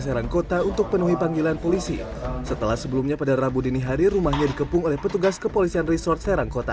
serangkota untuk penuhi panggilan polisi setelah sebelumnya pada rabu dini hari rumahnya dikepung oleh petugas kelabu yang menangis di pores serangkota